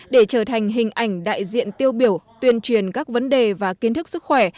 để trở thành hình ảnh đại diện tiêu biểu tuyên truyền các vấn đề và kiến thức sức khỏe